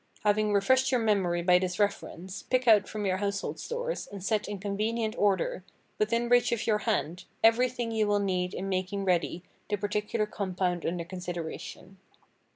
Having refreshed your memory by this reference, pick out from your household stores, and set in convenient order, within reach of your hand, everything you will need in making ready the particular compound under consideration.